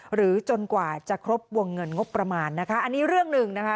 หรือจนกว่าจะครบวงเงินงบประมาณนะคะอันนี้เรื่องหนึ่งนะคะ